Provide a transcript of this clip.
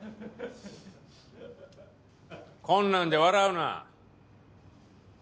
こんなんで笑うな！